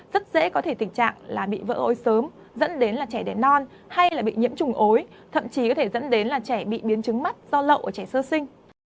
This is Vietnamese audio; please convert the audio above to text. rất dễ có thể tình trạng là bị vỡ sớm dẫn đến là trẻ đẻ non hay là bị nhiễm trùng ối thậm chí có thể dẫn đến là trẻ bị biến chứng mắt do lậu ở trẻ sơ sinh